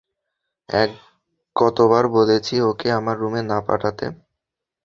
কতবার বলেছি ওকে আমার রুমে না পাঠাতে?